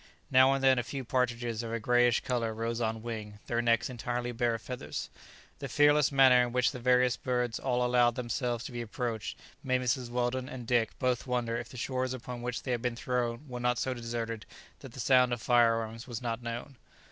Now and then a few partridges of a greyish colour rose on wing, their necks entirely bare of feathers: the fearless manner in which the various birds all allowed themselves to be approached made Mrs. Weldon and Dick both wonder if the shores upon which they had been thrown were not so deserted that the sound of fire arms was not known.